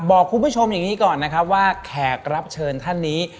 บอกคุณผู้ชมอย่างนี้ก่อนนะครับว่าแขกรับเชิญท่านนี้